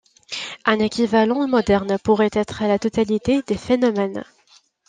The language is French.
Un équivalent moderne pourrait être la totalité des phénomènes.